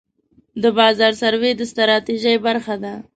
د بازار سروې د ستراتیژۍ برخه ده.